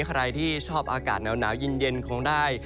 ใครที่ชอบอากาศหนาวเย็นคงได้